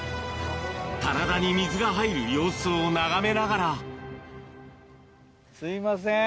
棚田に水が入る様子を眺めながらすいません。